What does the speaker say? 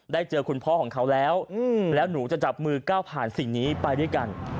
เจอคุณพ่อของเขาแล้วแล้วหนูจะจับมือก้าวผ่านสิ่งนี้ไปด้วยกัน